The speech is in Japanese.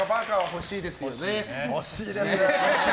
欲しいです。